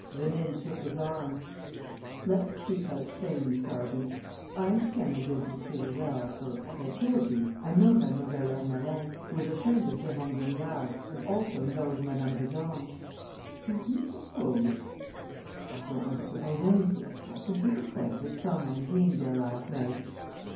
Rénine took his arm: "Let's speak out plainly, sergeant. I understand the business pretty well, for, as I told you, I know Mlle. Ermelin, who is a friend of Jérôme Vignal's and also knows Madame de Gorne. Do you suppose ...?" "I don't want to suppose anything. I simply declare that some one came there last night...."